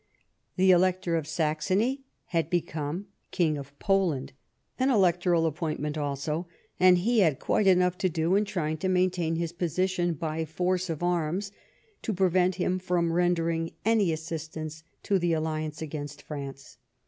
The Elector of Saxony had become King of Poland, an electoral appointment also, and he had quite enough to do in trying to main tain his position by force of arms to prevent him from rendering any assistance to the alliance against France.